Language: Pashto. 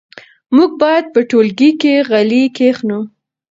موږ باید په ټولګي کې غلي کښېنو.